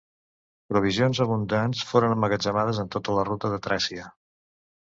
Provisions abundants foren emmagatzemades en tota la ruta de Tràcia.